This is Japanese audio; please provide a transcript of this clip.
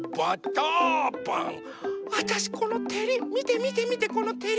わたしこのてりみてみてみてこのてり。